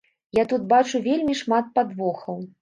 Я тут бачу вельмі шмат падвохаў.